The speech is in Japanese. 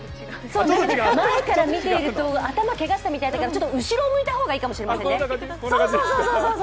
前から見ていると頭をけがしたみたいになってるから後ろ向いた方がいいかもしれませんね。